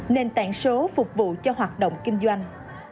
nền tảng số phục vụ cho hoạt động kinh doanh